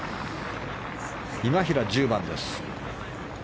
今平、１０番です。